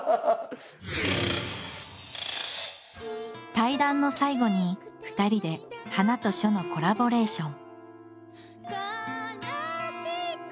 対談の最後に２人で花と書のコラボレーション。